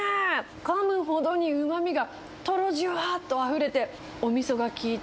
かむほどに、うまみがとろじゅわーっとあふれて、おみそが効いた、